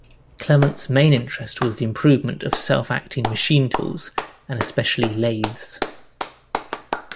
Clement's main interest was the improvement of self-acting machine tools, and especially lathes.